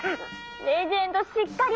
「レジェンドしっかり！